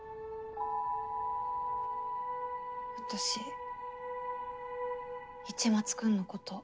私市松君のこと。